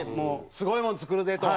すごいもの作るぜと。